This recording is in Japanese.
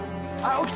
起きた！